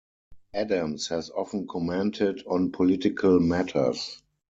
Adams has often commented on political matters.